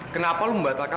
kenapa lo membatalkan